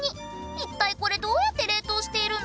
一体これどうやって冷凍しているの？